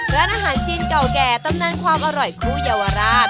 ร้านอาหารจีนเก่าแก่ตำนานความอร่อยคู่เยาวราช